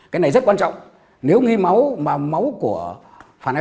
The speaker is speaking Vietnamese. cái can nhựa có dấu viết màu nâu đỏ nghi máu